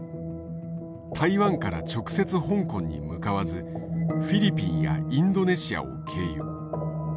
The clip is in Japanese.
台湾から直接香港に向かわずフィリピンやインドネシアを経由。